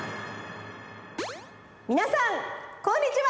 みなさんこんにちは！